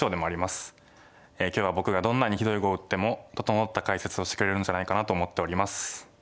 今日は僕がどんなにひどい碁を打っても整った解説をしてくれるんじゃないかなと思っております。